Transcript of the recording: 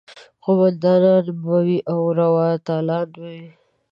قوماندانان به وي او روا تالان به وي.